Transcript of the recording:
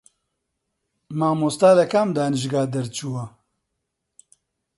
مامۆستا لە کام دانشگا دەرچووە؟